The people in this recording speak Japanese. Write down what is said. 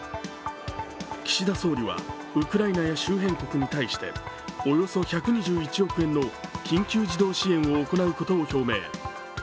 岸田総理はウクライナや周辺国に対しておよそ１２１億円の緊急人道支援を行うことを表明。